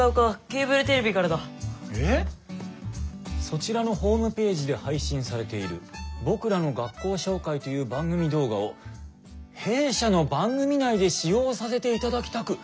「そちらのホームページで配信されている『僕らの学校紹介』という番組動画を弊社の番組内で使用させていただきたく」。